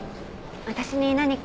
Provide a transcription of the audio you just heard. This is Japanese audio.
私に何か？